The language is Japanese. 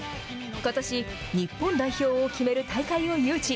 ことし、日本代表を決める大会を誘致。